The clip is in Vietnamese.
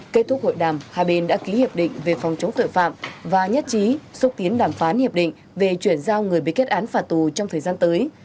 kết thúc hội đàm hai bên đã ký hiệp định về phòng chống tội phạm và nhất trí xúc tiến đàm phán hiệp định về chuyển giao người bị kết án phạt tù trong thời gian tới